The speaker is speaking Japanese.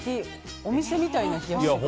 お店みたいな冷やし中華。